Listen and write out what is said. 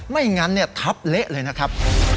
ไม่งั้นทับเละเลยนะครับ